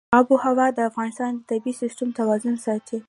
آب وهوا د افغانستان د طبعي سیسټم توازن ساتي.